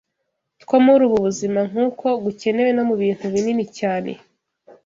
two muri ubu buzima nk’uko gukenewe no mu bintu binini cyane